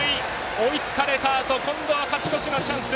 追いつかれたあと今度は勝ち越しのチャンス。